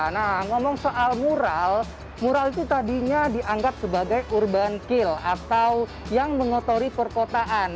nah ngomong soal mural mural itu tadinya dianggap sebagai urban kill atau yang mengotori perkotaan